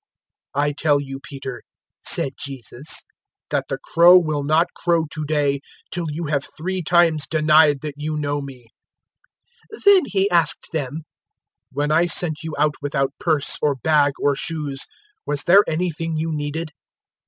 022:034 "I tell you, Peter," said Jesus, "that the cock will not crow to day till you have three times denied that you know me." 022:035 Then He asked them, "When I sent you out without purse or bag or shoes, was there anything you needed?"